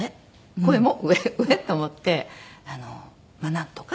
声も上上と思ってまあなんとか。